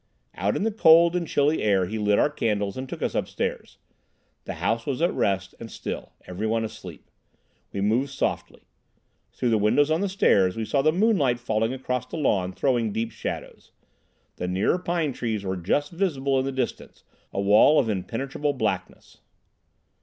Out in the cold and chilly hall he lit our candles and took us upstairs. The house was at rest and still, every one asleep. We moved softly. Through the windows on the stairs we saw the moonlight falling across the lawn, throwing deep shadows. The nearer pine trees were just visible in the distance, a wall of impenetrable blackness.